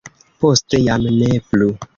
Poste jam ne plu.